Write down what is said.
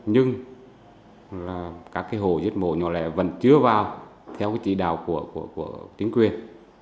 nhưng các hồ giết mổ nhỏ lẻ vẫn chưa vào theo chỉ đạo của chính quyền